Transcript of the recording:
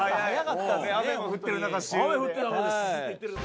雨降ってる中。